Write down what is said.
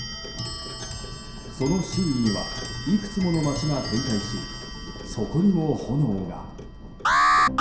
その周囲にはいくつもの町が点在しそこにも炎が。